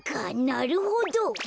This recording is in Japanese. なるほど。